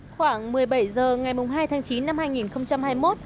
khoảng một mươi bảy h ngày hai tháng chín năm hai nghìn hai mươi một